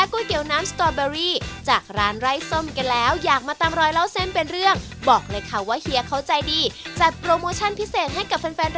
ก็มาที่นี่รับรองว่าถูกอภูมิใจแน่นอนนะครับผม